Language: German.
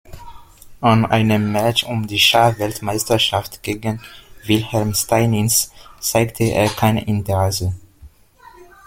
An einem Match um die Schachweltmeisterschaft gegen Wilhelm Steinitz zeigte er kein Interesse.